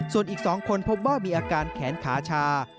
ส่วนอีก๒คนพบว่ามีอาการแขนขาชา